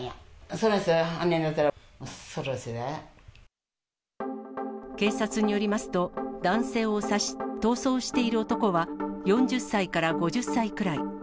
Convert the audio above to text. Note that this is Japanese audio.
その人が犯人だったら、恐ろしい警察によりますと、男性を刺し、逃走している男は４０歳から５０歳くらい。